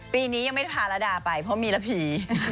ปีนี้ยังไม่ได้พาระดาไปเพราะมีระผี